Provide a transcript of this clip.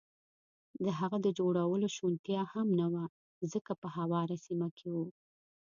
د هغه د جوړولو شونتیا هم نه وه، ځکه په هواره سیمه کې و.